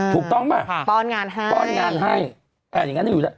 ถูกต้องป่ะปอนงานให้